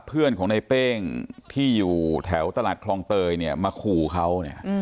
เพื่อนของในเป้งที่อยู่แถวตลาดคลองเตยเนี่ยมาขู่เขาเนี่ย